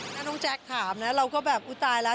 ถ้าน้องแจ๊คถามนะเราก็แบบอุ๊ยตายแล้ว